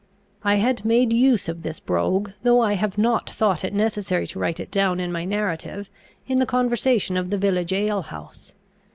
I had made use of this brogue, though I have not thought it necessary to write it down in my narrative, in the conversation of the village alehouse.